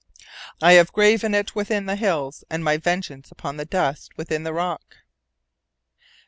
_"I have graven it within the hills, and my vengeance upon the dust within the rock."